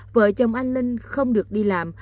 vợ chồng anh linh không được đi làm